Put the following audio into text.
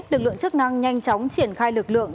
lực lượng chức năng nhanh chóng triển khai lực lượng